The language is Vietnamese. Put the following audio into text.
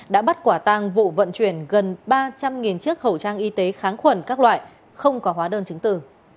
đã bắt quả tang vụ vận chuyển gần ba trăm linh chiếc khẩu trang y tế kháng khuẩn các loại không có hóa đơn chứng tử